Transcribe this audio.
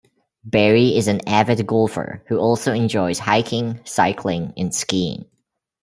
Barry is an avid golfer who also enjoys hiking, cycling, and skiing.